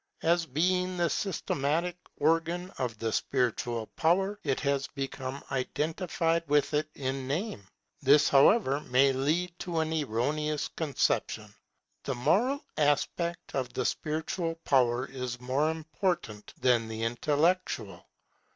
As being the systematic organ of the spiritual power it has become identified with it in name. This, however, may lead to an erroneous conception. The moral aspect of the spiritual power is more important than the intellectual.